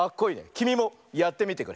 きみもやってみてくれ！